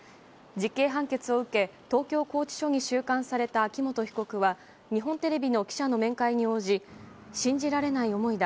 実刑判決を受け東京拘置所に収監された秋元被告は日本テレビの記者の面会に応じ信じられない思いだ。